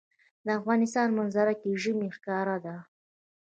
د افغانستان په منظره کې ژمی ښکاره ده.